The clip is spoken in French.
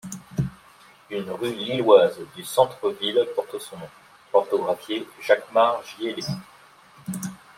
Une rue lilloise du centre-ville porte son nom, orthographié Jacquemars Giélée.